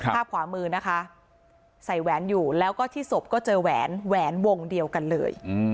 ภาพขวามือนะคะใส่แหวนอยู่แล้วก็ที่ศพก็เจอแหวนแหวนวงเดียวกันเลย